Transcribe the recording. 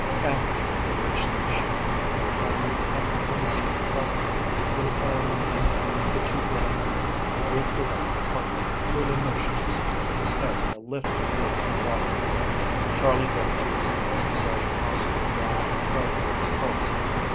Panting, they reached the machine, and clambered up on the steel platform, where the fireman and the two ground men were grouped around McCarty, who lay motionless, with his head in a little pool of blood. Charley dropped to his knees beside the prostrate lad and felt for his pulse.